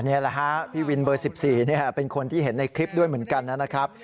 นี่แหละฮะพี่วินเบอร์๑๔เป็นคนที่เห็นในคลิปด้วยเหมือนกันนะครับ